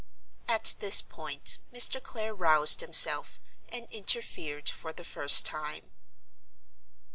At this point Mr. Clare roused himself and interfered for the first time.